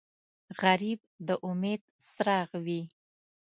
غریب د امید څراغ وي